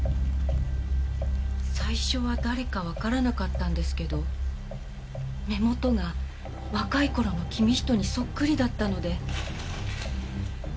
最初は誰かわからなかったんですけど目元が若い頃の公仁にそっくりだったので。